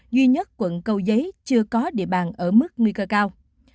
duy nhất quận cầu giấy chưa có địa bàn ở mức nguy cơ cao